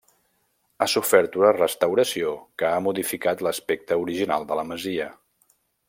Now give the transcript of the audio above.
Ha sofert una restauració que ha modificat l’aspecte original de la masia.